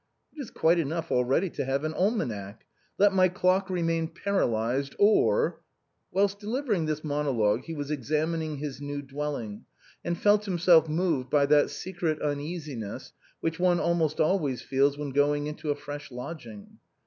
It is quite enough already to have an almanac. Let my clock remain par alyzed, or —" Whilst delivering this monologue he was examining his new dwelling, and felt himself moved by that secret un easiness which one almost always feels when going into a fresh lodging.